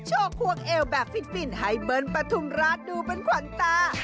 ควงเอวแบบฟินให้เบิ้ลปฐุมราชดูเป็นขวัญตา